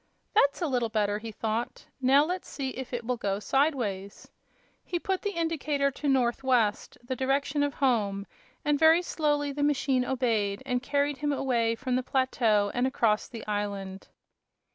"That's a little better," he thought. "Now let's see if it will go sidewise." He put the indicator to "north west," the direction of home and very slowly the machine obeyed and carried him away from the plateau and across the island.